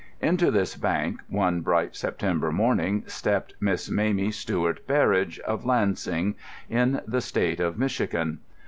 Into this bank, one bright September morning, stepped Miss Mamie Stuart Berridge, of Lansing, in the State of Michigan.